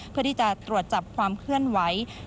เพื่อที่จะตรวจจับความเคลื่อนไหว